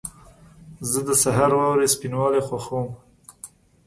زه د سهار واورې سپینوالی خوښوم.